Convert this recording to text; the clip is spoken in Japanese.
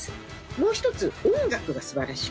もう１つ、音楽が素晴らしい。